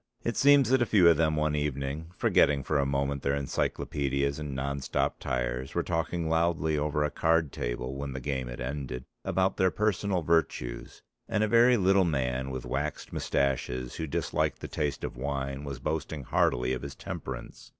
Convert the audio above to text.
It seems that a few of them one evening, forgetting for a moment their encyclopedias and non stop tyres, were talking loudly over a card table when the game had ended about their personal virtues, and a very little man with waxed moustaches who disliked the taste of wine was boasting heartily of his temperance.